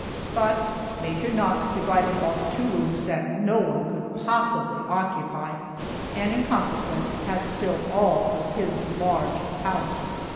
But Major Knox divided off two rooms that no one could possibly occupy, and in consequence has still all of his large house.